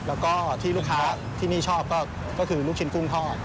แล้วก็ที่ลูกค้าที่นี่ชอบก็คือลูกชิ้นกุ้งทอด